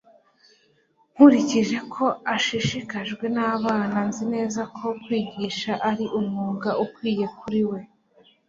Nkurikije ko ashishikajwe nabana nzi neza ko kwigisha ari umwuga ukwiye kuri we